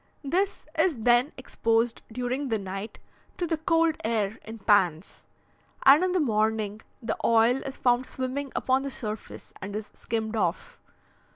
This is then exposed during the night to the cold air in pans, and in the morning the oil is found swimming upon the surface and is skimmed off.